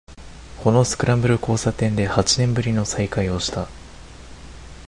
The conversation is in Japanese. このスクランブル交差点で八年ぶりの再会をした